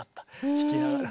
弾きながら。